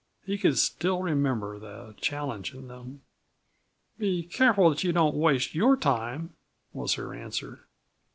He could still remember the challenge in them. "Be careful that you don't waste your time!" was her answer.